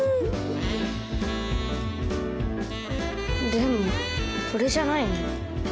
でもこれじゃないね。